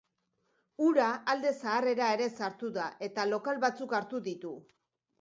Ura alde zaharrera ere sartu da, eta lokal batzuk hartu ditu.